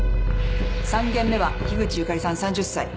３件目は樋口ゆかりさん３０歳。